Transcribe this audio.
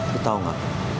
lu tau gak